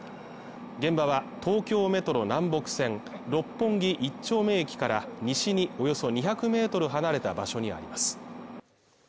現場は東京メトロ南北線六本木一丁目駅から西におよそ２００メートル離れた場所にあります